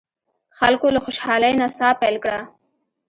خلکو له خوشالۍ نڅا پیل کړه.